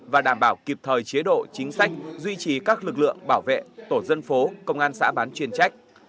và đảm bảo kịp thời chế độ chính sách duy trì các lực lượng bảo vệ tổ dân phố công an xã bán chuyên trách